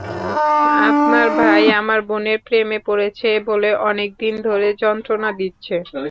আপনার ভাই আমার বোনের প্রেমে পড়েছে বলে অনেকদিন ধরে যন্ত্রণা দিচ্ছে।